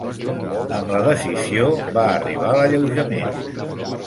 Amb la decisió va arribar l'alleujament.